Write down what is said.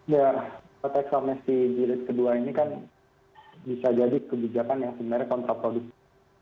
ya tax amnesty jilid ke dua ini kan bisa jadi kebijakan yang sebenarnya kontraproduktif